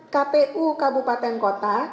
kpu kabupaten kota